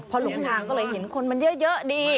พอหลงทางก็เลยเห็นคนมันเยอะดี